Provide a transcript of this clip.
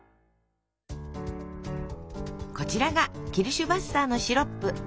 こちらがキルシュヴァッサーのシロップ。